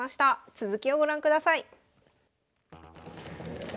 続きをご覧ください。